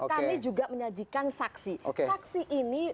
kami juga menyajikan saksi saksi ini